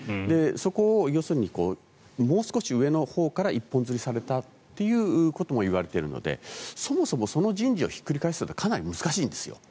そこを要するにもう少し上のほうから一本釣りされたともいわれているのでそもそも、その人事をひっくり返すのは難しいんです。